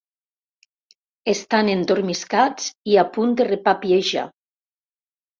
Estan endormiscats i a punt de repapiejar.